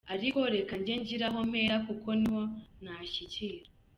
Ariko reka njye ngira aho mpera kuko niho nashyikira.